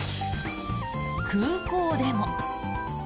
空港でも。